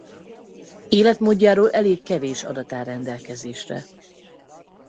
Életmódjáról elég kevés adat áll rendelkezésre.